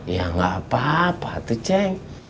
yaa gapapa tuh ceng